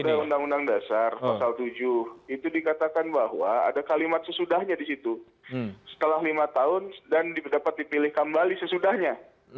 kita kembali dulu pada undang undang dasar pasal tujuh itu dikatakan bahwa ada kalimat sesudahnya disitu setelah lima tahun dan dapat dipilih kembali sesudahnya